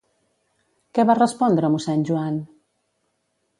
Què va respondre mossèn Joan?